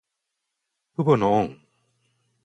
父母の恩。